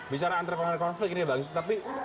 bicara entrepreneur konflik ini bagus tapi